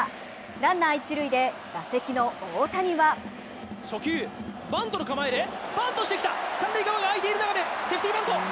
ランナー、一塁で打席の大谷は初球、バントの構えでバントをしてきた三塁側が空いている中でセーフティバント。